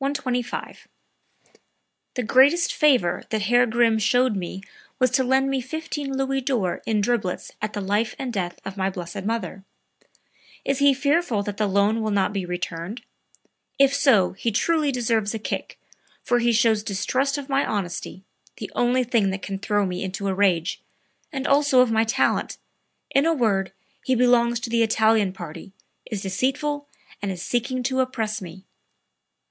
125. "The greatest favor that Herr Grimm showed me was to lend me 15 Louis d'Or in driblets at the (life and) death of my blessed mother. Is he fearful that the loan will not be returned? If so he truly deserves a kick for he shows distrust of my honesty (the only thing that can throw me into a rage), and also of my talent....In a word he belongs to the Italian party, is deceitful and is seeking to oppress me."